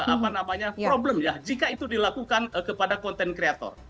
apa namanya problem ya jika itu dilakukan kepada content creator